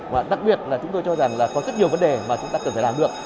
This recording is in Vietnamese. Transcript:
và đặc biệt là chúng tôi cho rằng là có rất nhiều vấn đề mà chúng ta cần phải làm được